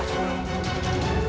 aku akan menang